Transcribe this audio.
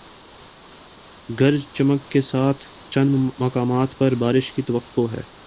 گرج چمک کے ساتھ چند مقامات پر بارش کی توقع ہے